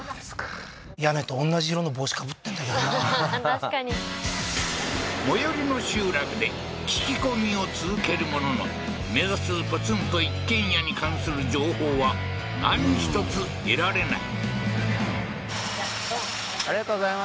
確かに最寄りの集落で聞き込みを続けるものの目指すポツンと一軒家に関する情報は何一つ得られない